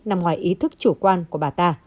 nằm ngoài ý thức chủ quan của bà ta